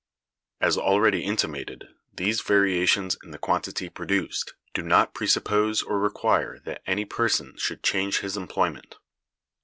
As already intimated,(212) these variations in the quantity produced do not presuppose or require that any person should change his employment.